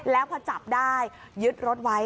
แล้วพอจับได้ยึดรถไว้